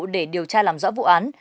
để điều tra làm rõ vụ án